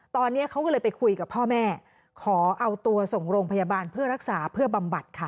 ตอนนี้เขาก็เลยไปคุยกับพ่อแม่ขอเอาตัวส่งโรงพยาบาลเพื่อรักษาเพื่อบำบัดค่ะ